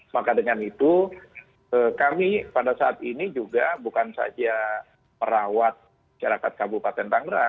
maka dengan itu kami pada saat ini juga bukan saja merawat syarikat kabupaten tangerang